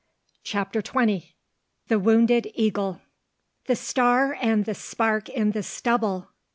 CHAPTER XX THE WOUNDED EAGLE THE star and the spark in the stubble!